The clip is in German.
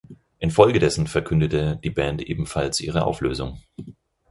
In Folge dessen verkündete die Band ebenfalls ihre Auflösung.